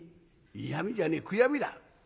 「嫌みじゃねえ悔やみだ。